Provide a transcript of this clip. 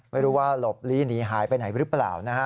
ไม่รู้ว่าหลบลีหนีหายไปไหนหรือเปล่านะฮะ